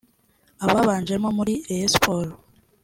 Ababanjemo muri Rayon Sports